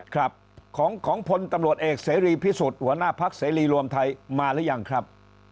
ครับของพลตำรวจเอกเสรีพิสุทธิ์หัวหน้าพักเสรีรวมไทยมาหรือยังครับ